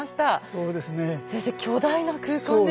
そうですね。